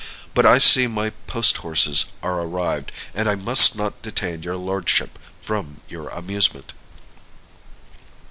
But I see my post horses are arrived, and I must not detain your lordship from your amusement."